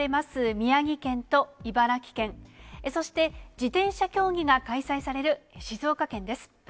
宮城県と茨城県、そして自転車競技が開催される静岡県です。